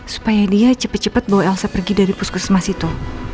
supaya dia cepat cepat bawa elsa pergi dari puskesmas itu